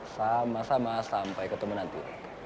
sama sama sampai ketemu nanti